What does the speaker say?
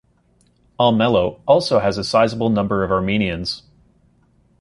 Almelo also has a sizeable number of Armenians.